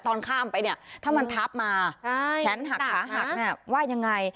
ตอนข้ามไปเนี่ยถ้ามันทับมาแขนหักขาหักเนี่ยว่ายังไง